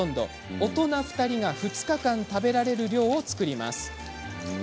大人２人が２日間食べられる量を作ります。